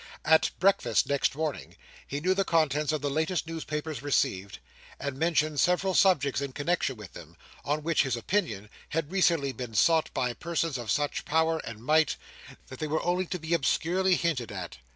At breakfast next morning, he knew the contents of the latest newspapers received; and mentioned several subjects in connexion with them, on which his opinion had recently been sought by persons of such power and might, that they were only to be obscurely hinted at.